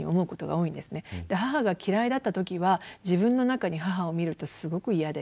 母が嫌いだった時は自分の中に母を見るとすごく嫌で